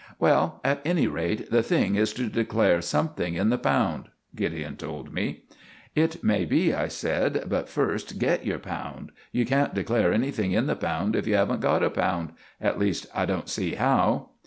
"Well, at any rate, the thing is to declare something in the pound," Gideon told me. "It may be," I said, "but first get your pound. You can't declare anything in the pound if you haven't got a pound. At least, I don't see how."